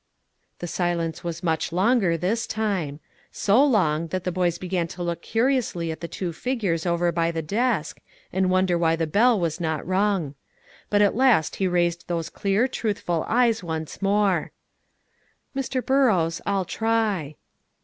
The silence was much longer this time, so long, that the boys began to look curiously at the two figures over by the desk, and wonder why the bell was not rung. But at last he raised those clear, truthful eyes once more: "Mr. Burrows, I'll try."